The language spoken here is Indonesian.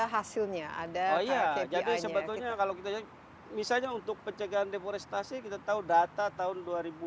hasilnya ada ya jadi sebetulnya kalau misalnya untuk pencegahan deforestasi kita tahu data tahun